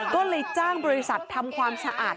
ก็เลยจ้างบริษัททำความสะอาด